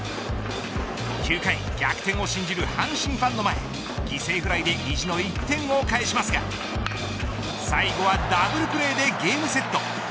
９回、逆転を信じる阪神ファンの前犠牲フライで意地の１点を返しますが最高はダブルプレーでゲームセット。